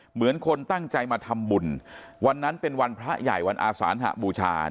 เหมือนคนตั้งใจมาทำบุญวันนั้นเป็นวันพระใหญ่วันอาสานหบูชา